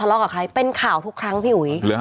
ทะเลาะกับใครเป็นข่าวทุกครั้งพี่หุย